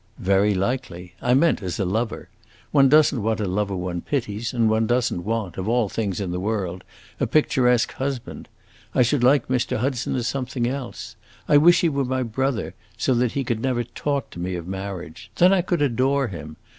"Very likely! I meant as a lover. One does n't want a lover one pities, and one does n't want of all things in the world a picturesque husband! I should like Mr. Hudson as something else. I wish he were my brother, so that he could never talk to me of marriage. Then I could adore him.